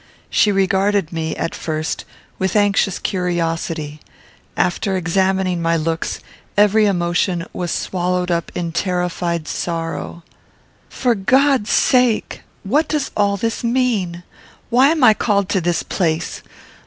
She regarded me, at first, with anxious curiosity; after examining my looks, every emotion was swallowed up in terrified sorrow. "For God's sake! what does all this mean? Why am I called to this place?